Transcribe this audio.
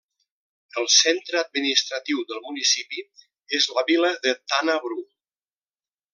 El centre administratiu del municipi és la vila de Tana Bru.